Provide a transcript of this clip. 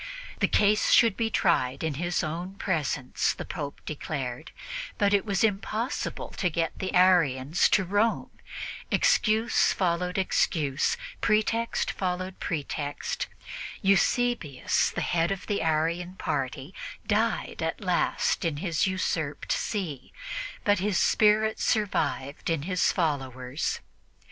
The case should be tried in his own presence, the Pope declared; but it was impossible to get the Arians to Rome. Excuse followed excuse, pretext followed pretext. Eusebius, the head of the Arian party, died at last in his usurped see, but his spirit survived in his followers.